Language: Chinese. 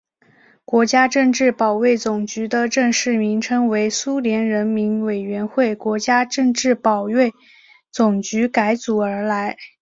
国家政治保卫总局的正式名称为苏联人民委员会国家政治保卫总局改组而来。